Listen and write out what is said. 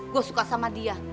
gue suka sama dia